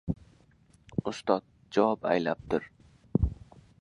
Ustod javob aylabdir: